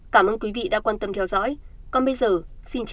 cảm ơn quý vị đã quan tâm theo dõi còn bây giờ xin chào và hẹn gặp lại